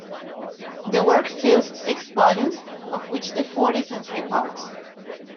The works fill six volumes, of which the fourth is in three parts.